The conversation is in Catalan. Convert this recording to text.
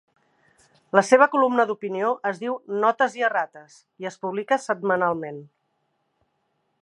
La seva columna d'opinió es diu "Notes i errates" i es publica setmanalment.